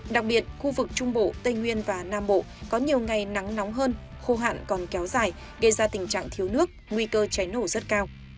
đặc biệt khu vực trung bộ tây nguyên và nam bộ có nhiều ngày nắng nóng hơn khô hạn còn kéo dài gây ra tình trạng thiếu nước nguy cơ cháy nổ rất cao